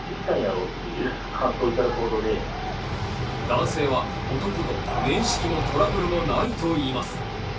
男性は男と面識もトラブルもないといいます。